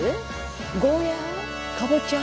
ゴーヤー？